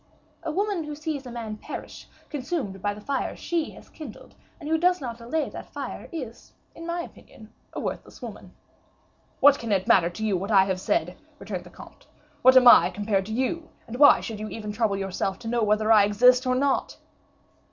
"A woman who sees a man perish, consumed by the fire she has kindled, and who does not allay that fire, is, in my opinion, a worthless woman." "What can it matter to you what I said?" returned the comte. "What am I compared to you, and why should you even trouble yourself to know whether I exist or not?"